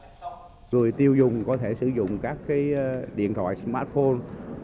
người tiêu dùng có thể sử dụng các cái điện thoại smartphone